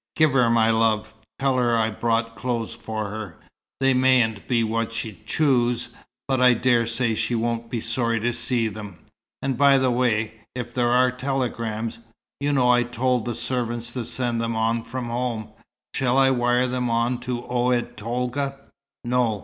Give her my love. Tell her I've brought clothes for her. They mayn't be what she'd choose, but I dare say she won't be sorry to see them. And by the way, if there are telegrams you know I told the servants to send them on from home shall I wire them on to Oued Tolga?" "No.